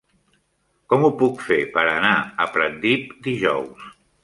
Com ho puc fer per anar a Pratdip dijous?